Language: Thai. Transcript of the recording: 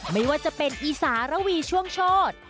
ไม่ว่าจะเป็นอีสารวีช่วงโชธ